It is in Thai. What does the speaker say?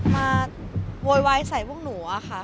โวยวายใส่พวกหนูอะค่ะ